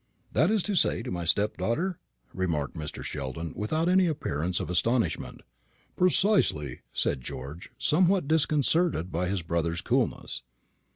"That is to say, to my stepdaughter?" remarked Mr. Sheldon, without any appearance of astonishment. "Precisely," said George, somewhat disconcerted by his brother's coolness.